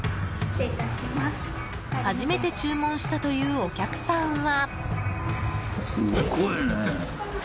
初めて注文したというお客さんは。